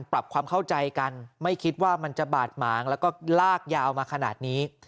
ปรับความเข้าใจกันไม่คิดว่ามันจะบาดหมางแล้วก็ลากยาวมาขนาดนี้